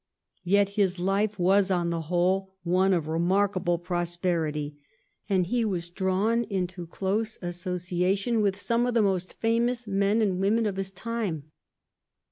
Yet his life was, on the whole, one of remarkable prosperity, and he was drawn into close association with some of the most famous men and women of his time.